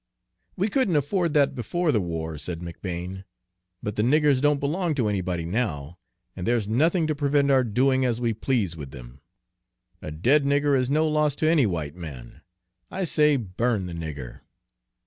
"We couldn't afford that before the war," said McBane, "but the niggers don't belong to anybody now, and there's nothing to prevent our doing as we please with them. A dead nigger is no loss to any white man. I say, burn the nigger."